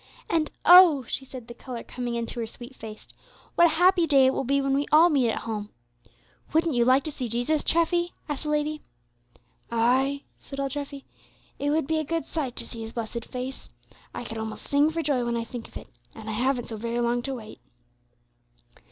And, oh!" she said, the color coming into her sweet face, "what a happy day it will be when we all meet at home! Wouldn't you like to see Jesus, Treffy?" asked the lady. "Ay," said old Treffy, "it would be a good sight to see His blessed face. I could almost sing for joy when I think of it, and I haven't so very long to wait."